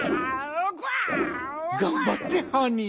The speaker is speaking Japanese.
がんばってハニー！